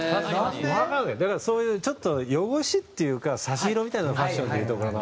だからそういうちょっと汚しっていうか差し色みたいなファッションで言うところの。